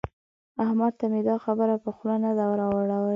احمد ته مې دا خبره پر خوله نه ده راوړي.